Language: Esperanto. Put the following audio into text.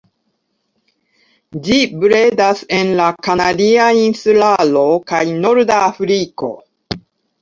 Ĝi bredas en la Kanaria Insularo kaj norda Afriko.